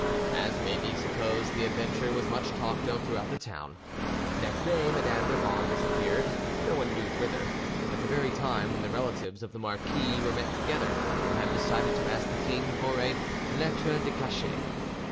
As may be supposed, the adventure was much talked of throughout the town. Next day, Madame d'Urban disappeared, no one knew whither, at the very time when the relatives of the marquis were met together and had decided to ask the king for a 'lettre de cachet'.